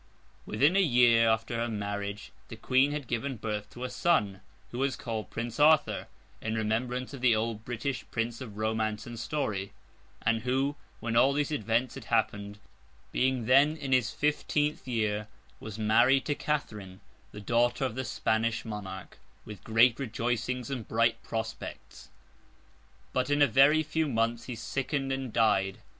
Within a year after her marriage, the Queen had given birth to a son, who was called Prince Arthur, in remembrance of the old British prince of romance and story; and who, when all these events had happened, being then in his fifteenth year, was married to Catherine, the daughter of the Spanish monarch, with great rejoicings and bright prospects; but in a very few months he sickened and died.